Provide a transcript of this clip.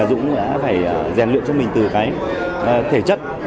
dũng đã phải rèn luyện cho mình từ cái thể chất